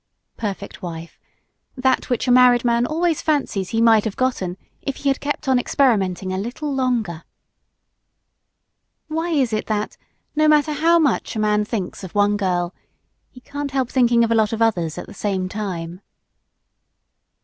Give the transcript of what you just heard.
Perfect wife: That which a married man always fancies he might have gotten if he had kept on experimenting a little longer. Why is it that, no matter how much a man thinks of one girl, he can't help thinking of a lot of others at the same time?